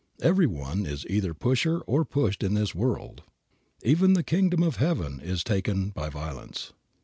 _ Every one is either pusher or pushed in this world. Even the kingdom of heaven is taken by violence.